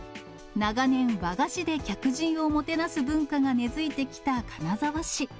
長年、和菓子で客人をもてなす文化が根づいてきた金沢市。